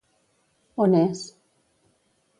On és?